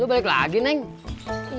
sama sama kan ini pe